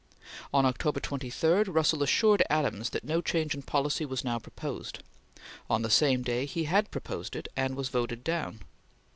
On October 23, Russell assured Adams that no change in policy was now proposed. On the same day he had proposed it, and was voted down.